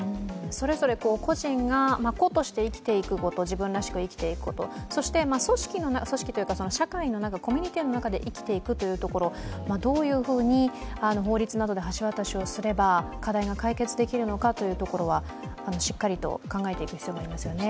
それぞれ個人が個として生きていくこと自分らしく生きていくこと、そして、社会のコミュニティーの中で生きていくこと、どういうふうに法律などで橋渡しをすれば課題が解決できるのかというところはしっかりと考えていく必要がありますよね。